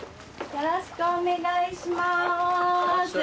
よろしくお願いします。